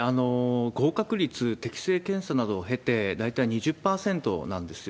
合格率、適性検査などを経て、大体２０％なんですよ。